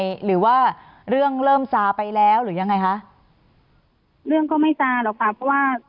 หรือว่าเรื่องเริ่มซาไปแล้วหรือยังไงคะเรื่องก็ไม่ซาหรอกค่ะเพราะว่า